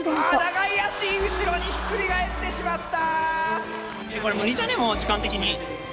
長い脚、後ろにひっくり返ってしまった！